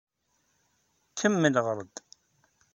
Kemmel ɣeṛ-d.